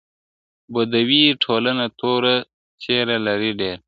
بدوي ټولنه توره څېره لري ډېر-